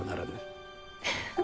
フフフ。